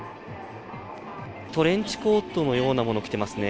トレンチコートのようなものを着てますね。